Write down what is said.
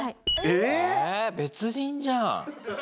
えっ別人じゃん。